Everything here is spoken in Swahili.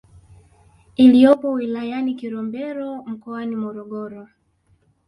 iliyopo wilaya ya Kilombero mkoani Morogoro